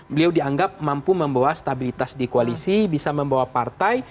beliau dianggap mampu membawa stabilitas di koalisi bisa membawa partai